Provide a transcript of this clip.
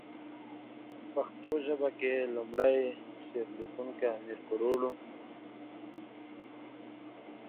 Walk-on passengers are permitted, but there is no passenger parking at the ferry landings.